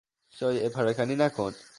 شایعه پراکنی نکن!